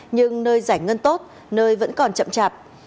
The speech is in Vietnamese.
nhưng nơi giải ngân tốt nơi vẫn còn chậm chạp